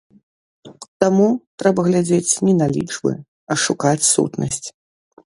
Таму трэба глядзець не на лічбы, а шукаць сутнасць.